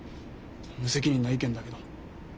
無責任な意見だけど。